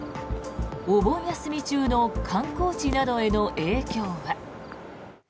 お盆休み中の観光地などへの影響は。